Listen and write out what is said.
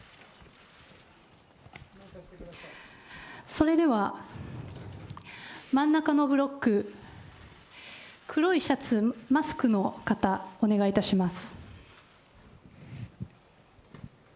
それでは、真ん中のブロック、黒いシャツ、マスクの方、お願いいたします。